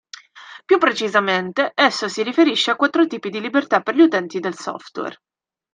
Più precisamente, esso si riferisce a quattro tipi di libertà per gli utenti del software.